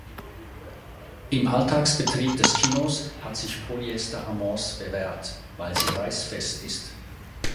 Im Alltagsbetrieb des Kinos hat sich Polyester-Amorce bewährt, weil sie reißfest ist.